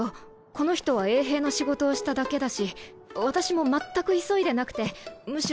この人は衛兵の仕事をしただけだし私もまったく急いでなくてむしろのんびり。